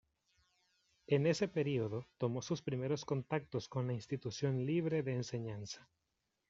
En ese periodo tomó sus primeros contactos con la Institución Libre de Enseñanza.